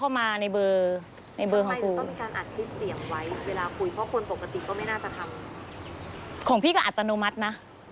ระหว่างครูปีชากับทุกคน